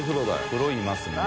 風呂いますね。